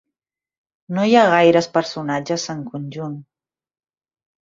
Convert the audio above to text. No hi ha gaires personatges en conjunt.